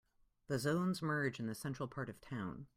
The zones merge in the central part of town.